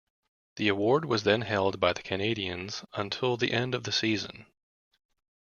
The award was then held by the Canadiens until the end of the season.